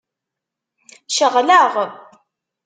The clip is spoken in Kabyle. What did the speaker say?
Ceɣleɣ.